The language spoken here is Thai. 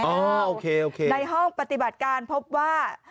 ในห้องปฏิบัติการพบว่า